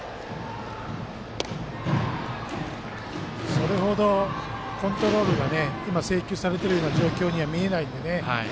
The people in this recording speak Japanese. それほどコントロールが今、制球されてるような状況には見えないんでね。